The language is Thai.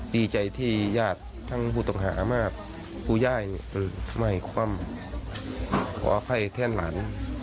ดีใจที่ญาติทั้งผู้ต้องหามากผู้ย่ายไม่คว่ำขออภัยแทนหลาน